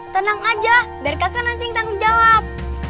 tenang aja biar kakak nanti yang tanggung jawab